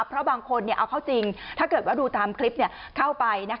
เพราะบางคนเอาเข้าจริงถ้าเกิดว่าดูตามคลิปเข้าไป